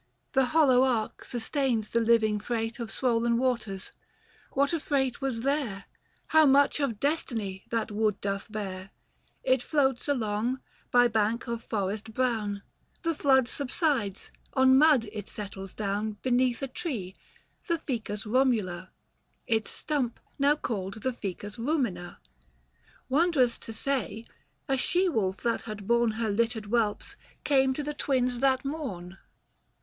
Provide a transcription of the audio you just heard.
420 The hollow ark sustains the living freight On swollen waters ; what a freight was there — How much of destiny that wood doth bear ! It floats along — by bank of forest brown — The flood subsides, on mud it settles down 425 Beneath a tree — the Ficus Eomula ; Its stump now called the Ficus Bumina. Wondrous to say, a she wolf that had borne Her littered whelps, came to the Twins that morn.